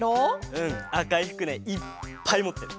うんあかいふくねいっぱいもってる。